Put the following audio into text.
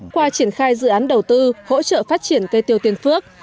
qua triển khai dự án đầu tư hỗ trợ phát triển cây tiêu tiên phước